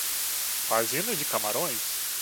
Fazenda de camarões